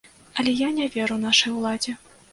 Але я не веру нашай уладзе.